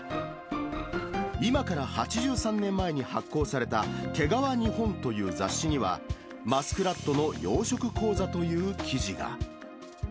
今から８３年前に発行された、毛皮日本という雑誌には、マスクラットの養殖講座という記事が。